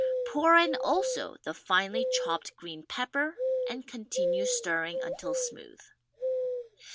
Pour in also the finely chopped green pepper and continue stirring until smooth.